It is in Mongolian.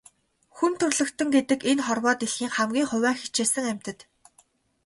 Хүн төрөлхтөн гэдэг энэ хорвоо дэлхийн хамгийн хувиа хичээсэн амьтад.